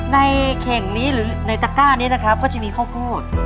ในเข่งนี้หรือในตะก้านี้นะครับก็จะมีข้าวโพด